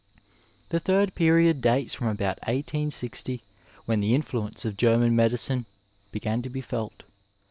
The third period dates from about 1860 when the influ ence of German medicine began to be felt.